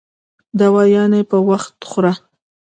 دوايانې په وخت خوره